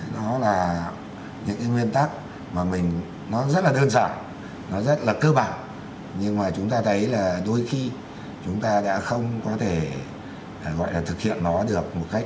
đó là những cái nguyên tắc mà mình nó rất là đơn giản nó rất là cơ bản nhưng mà chúng ta thấy là đôi khi chúng ta đã không có thể gọi là thực hiện nó được một cách